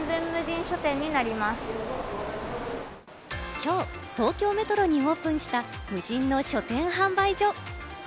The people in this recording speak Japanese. きょう、東京メトロにオープンした無地の書店販売所。